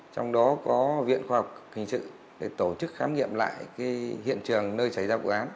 trong đó có viện khoa học hình sự để tổ chức khám nghiệm lại hiện trường nơi xảy ra vụ án